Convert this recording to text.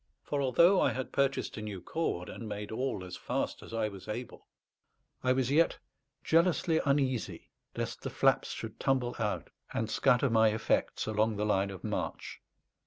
For although I had purchased a new cord, and made all as fast as I was able, I was yet jealously uneasy lest the flaps should tumble out and scatter my effects along the line of march.